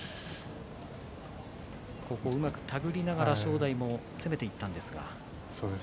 手繰りながら正代、攻めていったんですが。